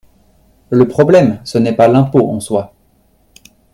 Le problème, ce n’est pas l’impôt en soi.